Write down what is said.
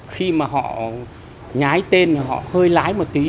khi mà họ nhái tên là họ hơi lái một tí